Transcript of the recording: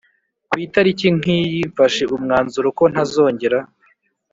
kwitariki nkiyi mfashe umwanzuro ko ntazongera